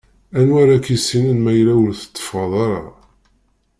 Anwa ara k-yissinen ma yella ur tetteffɣeḍ ara?